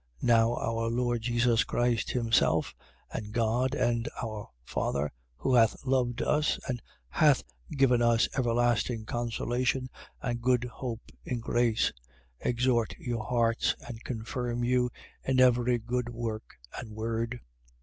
Now our Lord Jesus Christ himself, and God and our Father, who hath loved us and hath given us everlasting consolation and good hope in grace, 2:16. Exhort your hearts and confirm you in every good work and word.